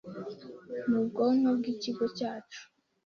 nubwonko bwikigo cyacu.